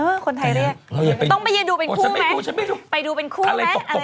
เออคนไทยเรียกต้องไปยืนดูเป็นคู่ไหม